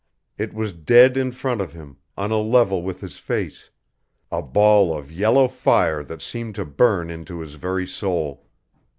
It was dead in front of him, on a level with his face a ball of yellow fire that seemed to burn into his very soul.